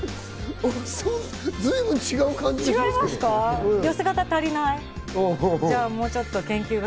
随分違う感じが。